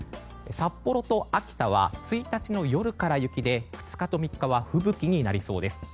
札幌と秋田は１日の夜から雪で２日と３日は吹雪になりそうです。